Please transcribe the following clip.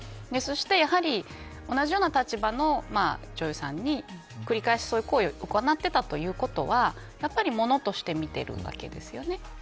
そして、やはり同じような立場の女優さんに繰り返し、そういう行為を行っていたということはやはりものとして見ているわけです。